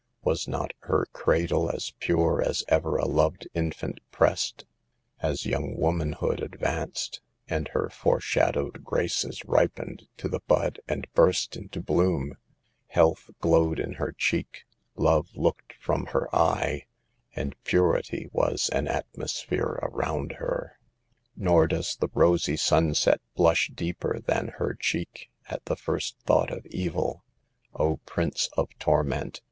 Was not her cradle as pure as ever a loved infant pressed? As young womanhood advanced, and her foreshad owed graces ripened to the bud and burst into bloom, health glowed in her cheek, love looked from her eye, and purity was an atmosphere around her. Nor does the rosy sunset blush deeper than her cheek, at the first thought of evil. O Prince of torment